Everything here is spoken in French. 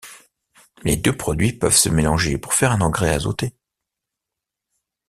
Les deux produits peuvent se mélanger pour faire un engrais azoté.